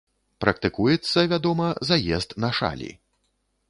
Практыкуецца, вядома, заезд на шалі.